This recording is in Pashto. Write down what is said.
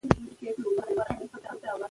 دا لیکونه د تاریخ برخه دي.